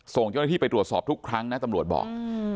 ส่งเจ้าหน้าที่ไปตรวจสอบทุกครั้งนะตำรวจบอก